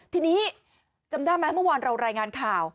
ทีนี้จำได้ไหมเมื่อวานเรารายงานข่าว